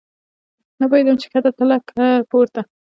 نه پوهېدم چې کښته تله که پورته.